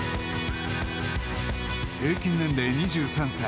［平均年齢２３歳］